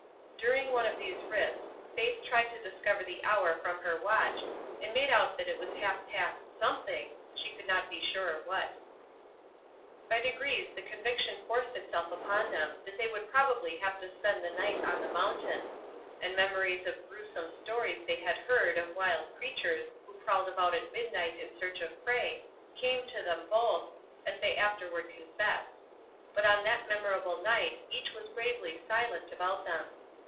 During one of these rifts Faith tried to discover the hour from her watch, and made out that it was half past something^ she could not be sure what. By degrees the conviction forced itself upon them that they would probably have to spend the night on the mountain; and memories of grewsome stories they had heard of wild crea tures who prowled about at midnight in search of prey came to them both, as they afterward confessed; but on that memorable night each was bravely silent about them.